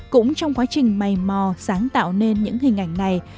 cũng trong quá trình mây mò sáng tạo nên những hình ảnh này